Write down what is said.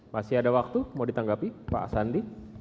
masih ada waktu mau ditanggapi pak sandi